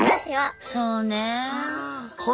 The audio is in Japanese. そうね。